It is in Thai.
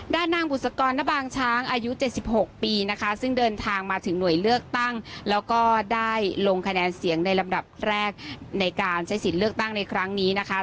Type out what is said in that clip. ด้านนางบุษกรนบางช้างอายุ๗๖ปีนะคะซึ่งเดินทางมาถึงหน่วยเลือกตั้งแล้วก็ได้ลงคะแนนเสียงในลำดับแรกในการใช้สิทธิ์เลือกตั้งในครั้งนี้นะคะ